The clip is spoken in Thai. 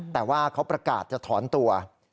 แต่ว่าเขาประกาศจะถอนตัว